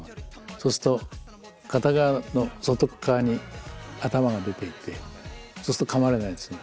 そうすると片側の外側に頭が出ていてそうするとかまれないんですね。